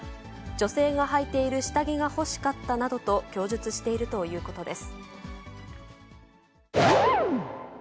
女性がはいている下着が欲しかったなどと供述しているということです。